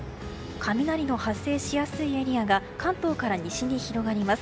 雷の発生しやすいエリアが関東から西に広がります。